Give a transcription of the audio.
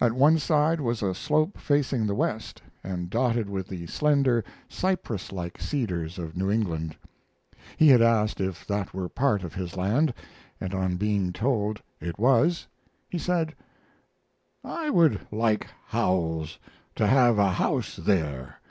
At one side was a slope facing the west, and dotted with the slender, cypress like cedars of New England. He had asked if that were part of his land, and on being told it was he said: "I would like Howells to have a house there.